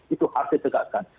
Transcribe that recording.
itu harus disegakkan